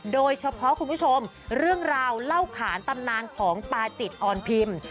คุณผู้ชมเรื่องราวเล่าขานตำนานของปาจิตอ่อนพิมพ์